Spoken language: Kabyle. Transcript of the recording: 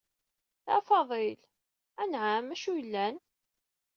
A Faḍil. anɛem, acu i yellan?